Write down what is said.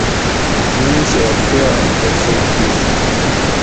مِیش اۤ سُواۤ قصہ کِیر